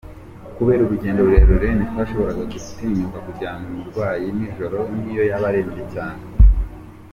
Kubera urugendo rurerure ntitwashoboraga gutinyuka kujyanayo umurwayi nijoro n’iyo yabaga arembye cyane.